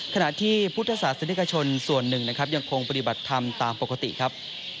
ขณะที่พุทธศาสนิกชนส่วนหนึ่งนะครับยังคงปฏิบัติธรรมตามปกติครับ